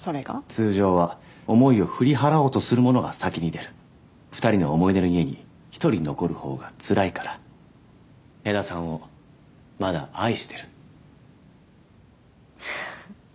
通常は思いを振り払おうとする者が先に出る２人の思い出の家に１人残るほうがつらいから江田さんをまだ愛してるふふっ